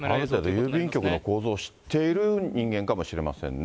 ある程度、郵便局の構造を知っている人間かもしれませんね。